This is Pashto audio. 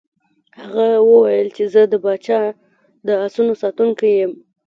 هغه وویل چې زه د پاچا د آسونو ساتونکی یم.